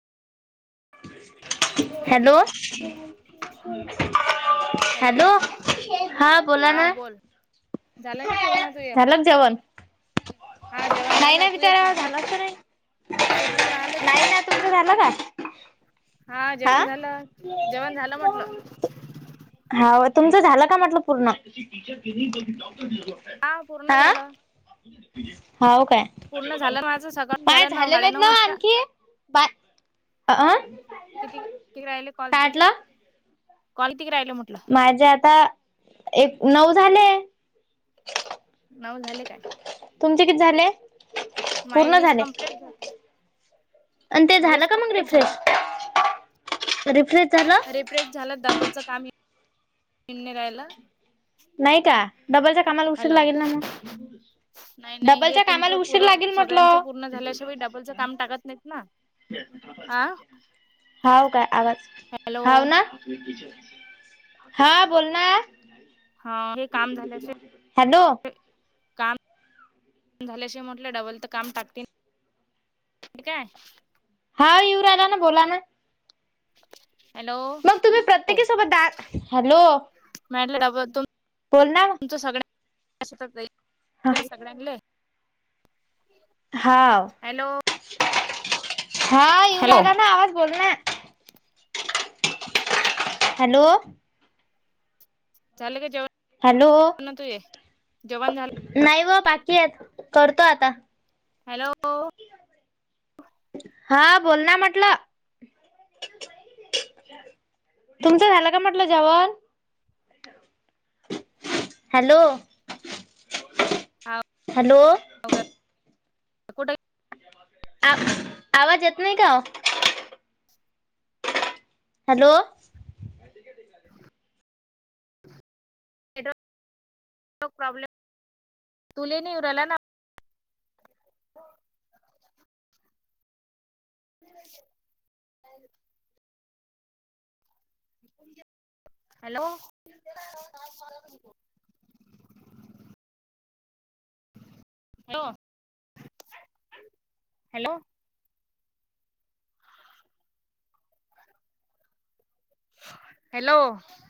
बोल hello, hello हां बोलां हा नां, बोल झालं का पूर्ण झोया, सेवन, जेवण नाही झालं ना तू एक बिचारा कुठलं झालाच का नाही, कुठलं राहिलं ते नाही झालं, तुमच झाल काय? हां जेवणं झालं जेवणं झालं म्हटलं, हा तुमचं झालं का म्हटलं पूर्ण? हा पूर्ण झालं हा होऊ काय पूर्ण झालं माझं सकाळ पाच झालं झाले नाहीत साडेनऊ ना वाजता आणखी पा अ, किती किती राहिले कॉल तुझे काढलं कॉल किती राहिले म्हटलं? माझ्यां आंता एक नऊ झाले! नव झाले काय, तुंमचे किती झाले, माय पूर्ण वीस झाले कमप्लीट आणि ते झालं का मग कंप्लीट झालं रिफ्रेश रिफ्रेश झालं? रिफ्रेश झाल डबलच काम येवून राहायल, नाही का डबलच्या कामाला उशीर हॅलो लागेल ना मग. नाही नाही हे डबलच्या कामाला तुमचं उशीर पुर लागेल म्हटलो सगळ्यांचं पूर्ण झाल्याशिवाय डबलचं काम टाकत नाहीत ना आ हाव काय आवाज हॅलो हाव ना. हा बोलणार, हा हे काम झाल्याशिवाय हॅलो, काम झाल्याशिवाय म्हटलं डबल त काम टाकतीन. हे काय. हा येऊ राहीला न बोला न. हॅलो, मग तुम्ही प्रत्येकी सोबत दा हॅलो, म्या [unintelligible] डबल तो बोल ना, च सगळ्यां हा [unintelligible] सगळ्यांनले हाव हा येऊ हॅलो राहीला न आवाज बोल ना, हॅलो, चाल का जेवण? हॅलो, तुझे जेवण झालं नाही व बाकी आहेत करतो आता. हॅलो, हा बोल ना म्हटलं. तुमचं झाला का म्हटलं जेवण? हॅलो, आव हॅलो, उगद आव आवाज येत नाही का ओ? हॅलो, [inaudible] नेटवर्क प्रॉब्लेम तुले नाही येऊ राहिला न, किती पाहिजेत? [unintelligible] Hello, [unintelligible] hello hello, hello,